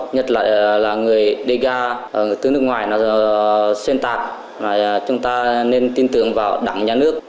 nhất là người đê ga ở nước ngoài nó xuyên tạc chúng ta nên tin tưởng vào đảng nhà nước